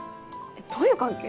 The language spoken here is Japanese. どういう関係？